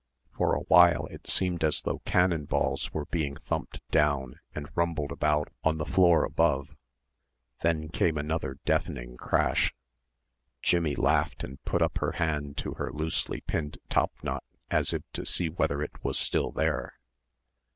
For a while it seemed as though cannon balls were being thumped down and rumbled about on the floor above; then came another deafening crash. Jimmie laughed and put up her hand to her loosely pinned top knot as if to see whether it was still there.